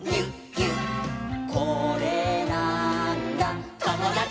「これなーんだ『ともだち！』」